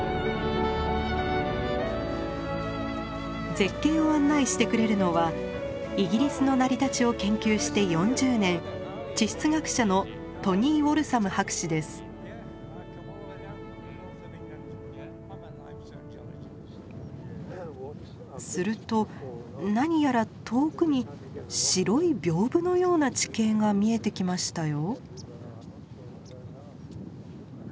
絶景を案内してくれるのはイギリスの成り立ちを研究して４０年すると何やら遠くに白い屏風のような地形が見えてきましたよ。